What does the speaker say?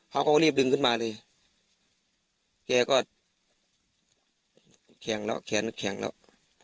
เขาก็รีบดึงขึ้นมาเลยแกก็แข็งแล้วแขนแข็งแล้ว